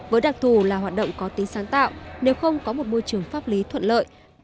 với đặc thù là hoạt động có tính sáng tạo nếu không có một môi trường pháp lý thuận lợi